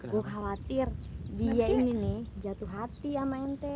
gue khawatir dia ini nih jatuh hati sama ente